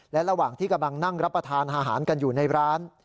และระหว่างที่กำลังนั่งรับประทานอาหารกันอยู่ในร้าน